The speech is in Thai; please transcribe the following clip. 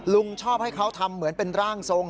ชอบให้เขาทำเหมือนเป็นร่างทรง